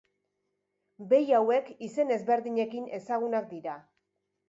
Behi hauek izen ezberdinekin ezagunak dira.